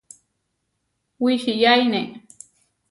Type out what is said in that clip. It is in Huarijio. Wičiyaine.